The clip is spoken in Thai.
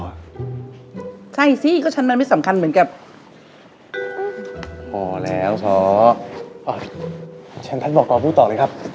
อ่ะใช่สิก็ฉันมันไม่สำคัญเหมือนกับพอแล้วสออ่าฉันพัดบอกก่อน